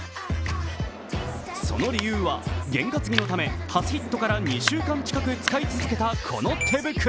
その理由は、験担ぎのため初ヒットから２週間近く使い続けたこの手袋。